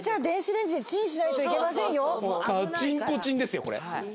カチンコチンですよこれ。